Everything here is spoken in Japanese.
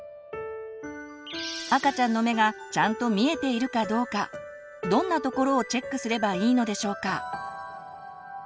赤ちゃんの目がちゃんと見えているかどうかどんなところをチェックすればいいのでしょうか？